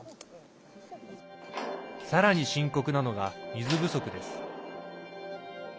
さらに深刻なのが水不足です。